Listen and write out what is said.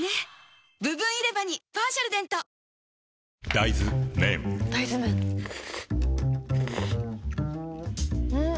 大豆麺ん？